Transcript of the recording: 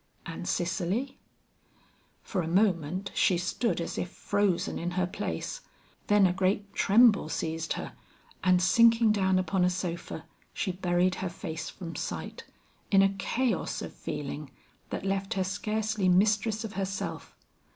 And Cicely? For a moment she stood as if frozen in her place, then a great tremble seized her, and sinking down upon a sofa, she buried her face from sight, in a chaos of feeling that left her scarcely mistress of herself.